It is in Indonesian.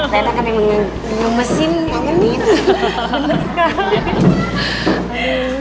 rena kan memang di mesin kan gitu